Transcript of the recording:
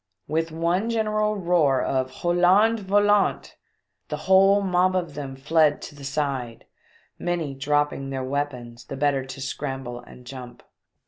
With one general roar of r Hollandais Volant I the whole mob of them fled to the side, many dropping their weapons the better to scramble and jump.